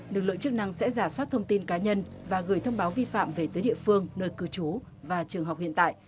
lực lượng chức năng sẽ giả soát thông tin cá nhân và gửi thông báo vi phạm về tới địa phương nơi cư trú và trường học hiện tại